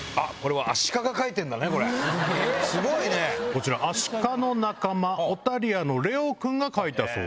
こちらアシカの仲間オタリアのレオ君が書いた。